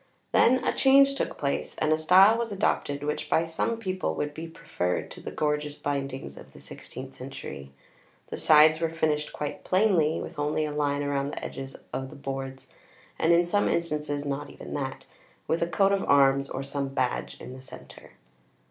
Then a change took place and a style was adopted which by some people would be preferred to the gorgeous bindings of the sixteenth century. The sides were finished quite plainly with only a line round the edge of the boards (and in some instances not even that) with a coat of arms or some badge in the centre.